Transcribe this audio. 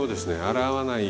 洗わない。